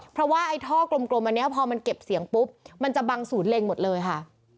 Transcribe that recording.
เพราะว่าไอ้ท่อกลมอันนี้พอมันเก็บเสียงปุ๊บมันจะบังศูนย์เล็งหมดเลยค่ะ